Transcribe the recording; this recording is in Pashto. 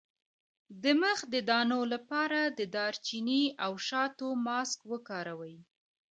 د مخ د دانو لپاره د دارچینی او شاتو ماسک وکاروئ